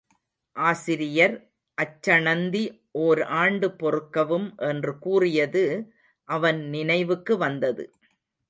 ஆசிரியர் அச்சணந்தி ஓர் ஆண்டு பொறுக்கவும் என்று கூறியது அவன் நினைவுக்கு வந்தது.